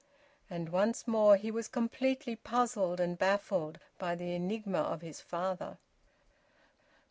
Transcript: And once more he was completely puzzled and baffled by the enigma of his father.